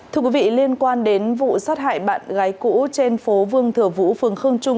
thưa quý vị liên quan đến vụ sát hại bạn gái cũ trên phố vương thừa vũ phường khương trung